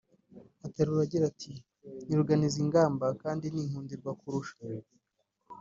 Aterura agira ati “Ni ruganiza ingamba kandi n’inkundirwa kurusha